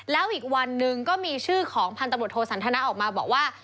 แล้วอีกวันหนึ่งก็มีชื่อของพันตำรวจโทสันทนาออกมาบอกว่า